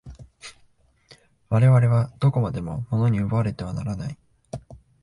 我々はどこまでも物に奪われてはならない。